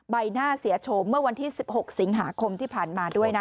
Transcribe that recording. ใบหน้าเสียโฉมเมื่อวันที่๑๖สิงหาคมที่ผ่านมาด้วยนะ